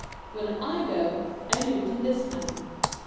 When / go, I do it in this manner.